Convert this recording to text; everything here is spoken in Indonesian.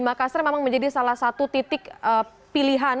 makassar memang menjadi salah satu titik pilihan